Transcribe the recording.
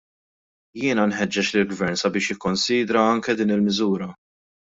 Jiena nħeġġeġ lill-Gvern sabiex jikkonsidra anke din il-miżura.